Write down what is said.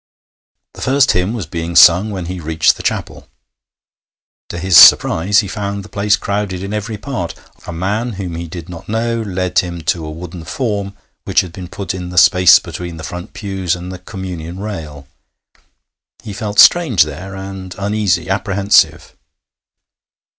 The first hymn was being sung when he reached the chapel. To his surprise, he found the place crowded in every part. A man whom he did not know led him to a wooden form which had been put in the space between the front pews and the Communion rail. He felt strange there, and uneasy, apprehensive.